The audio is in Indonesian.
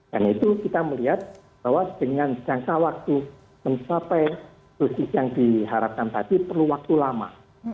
dan itu kita melihat bahwa dengan jangka waktu mencapai dosis yang diharapkan tadi perlu waktu lama